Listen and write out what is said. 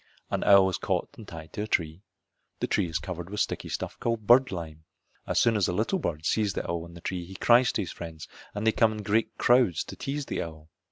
An owl is caught and tied to a tree. The tree is covered with sticky stuff called bird lime. As soon as a little bird sees the owl in the tree he cries to his friends and they come in great crowds to tease the owl.